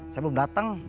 saya belum datang